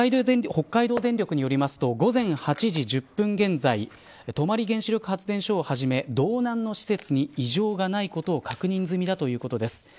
北海道電力によりますと午前８時１０分現在泊原子力発電所をはじめ道内の施設に異常がないことを確認済だということです。